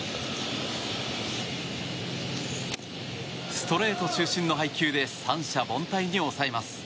ストレート中心の配球で三者凡退に抑えます。